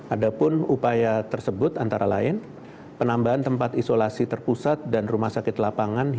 ada pun upaya tersebut antara lain penambahan tempat isolasi terpusat dan rumah sakit lapangan